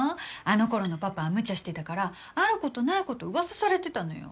あのころのパパは無茶してたからあることないこと噂されてたのよ。